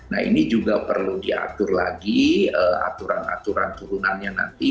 nah ini juga perlu diatur lagi aturan aturan turunannya nanti